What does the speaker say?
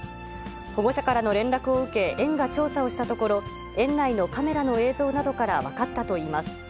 保護者からの連絡を受け、園が調査をしたところ、園内のカメラの映像などから分かったといいます。